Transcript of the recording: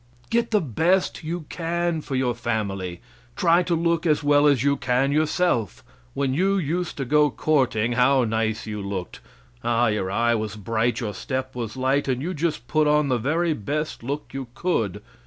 Get the best you can for your family try to look as well as you can yourself. When you used to go courting, how nice you looked! Ah, your eye was bright, your step was light, and you just put on the very best look you could.